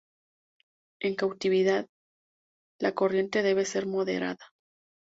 En cautividad, la corriente debe ser moderada.